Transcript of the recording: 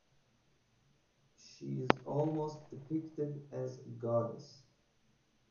She is almost depicted as a goddess.